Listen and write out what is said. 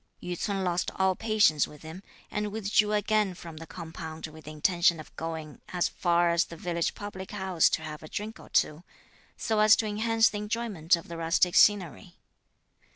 Yü ts'un lost all patience with him, and withdrew again from the compound with the intention of going as far as the village public house to have a drink or two, so as to enhance the enjoyment of the rustic scenery.